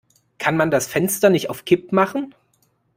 Kann man das Fenster nicht auf Kipp machen?